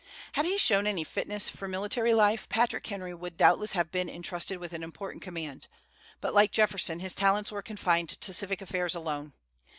Had he shown any fitness for military life, Patrick Henry would doubtless have been intrusted with an important command; but, like Jefferson, his talents were confined to civic affairs alone.